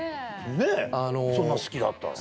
ねぇそんな好きだったら。